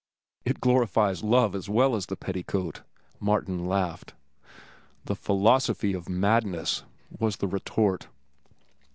"It glorifies love as well as the petticoat," Martin laughed. "The philosophy of madness," was the retort.